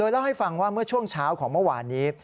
เล่าให้ฟังว่าเมื่อช่วงเช้าของเมื่อวานนี้